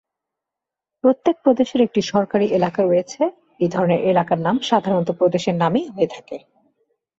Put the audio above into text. প্রত্যেক প্রদেশের একটি সরকারী এলাকা রয়েছে, এ ধরনের এলাকার নাম সাধারণত প্রদেশের নামই হয়ে থাকে।